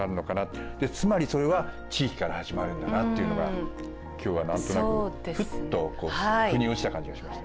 つまりそれは地域から始まるんだなっていうのが今日は何となくふっとふに落ちた感じがしました。